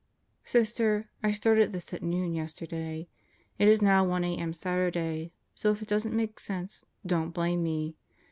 Sister, I started this at noon yesterday. It is now 1 a.m. Saturday, so if it doesn't make sense, don't blame me.